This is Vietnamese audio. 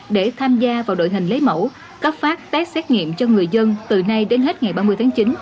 để tham gia vào đội hình lấy mẫu cấp phát test xét nghiệm cho người dân từ nay đến hết ngày ba mươi tháng chín